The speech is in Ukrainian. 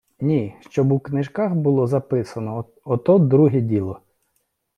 Ні, щоб у книжках було записано, от то друге діло...